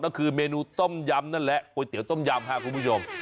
ก็คือเมนูต้มยำนั่นแหละก๋วยเตี๋ยต้มยำครับคุณผู้ชม